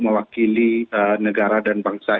mewakili negara dan bangsa